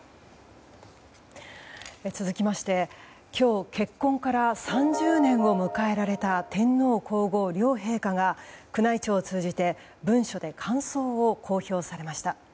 続きまして今日結婚から３０年を迎えられた天皇・皇后両陛下が宮内庁を通じて文書で感想を公表されました。